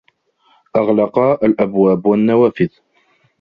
أغلقا الأبواب و النّوافذ.